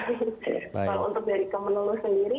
kalau untuk dari kemenlu sendiri